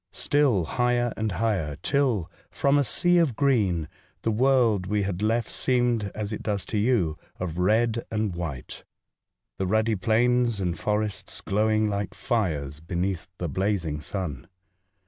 Still higher and higher, till, from a sea of green, the world we had left seemed, as it does to you, of red and white, the ruddy plains and forests glowing 156 A Voyage to Other Worlds. like fires beneath the blazing sun.